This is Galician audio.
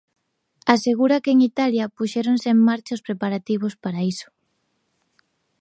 Asegura que en Italia puxéronse en marcha os preparativos para iso.